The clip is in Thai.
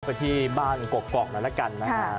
ไปที่บ้านกกกกนั้นละกันไหมคะ